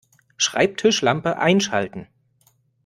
Schreibtischlampe einschalten